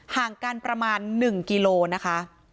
ห่างกันประมาณ๑กิโลนะคะ